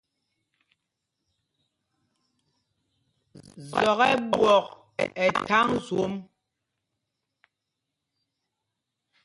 Zɔk ɛ ɓwɔ̂k ɛ tháŋ zwôm.